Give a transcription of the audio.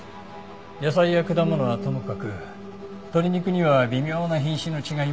野菜や果物はともかく鶏肉には微妙な品種の違いも見られました。